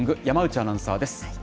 山内アナウンサーです。